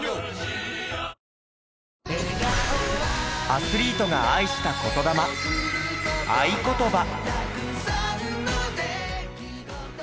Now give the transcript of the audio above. アスリートが愛した言魂『愛ことば』。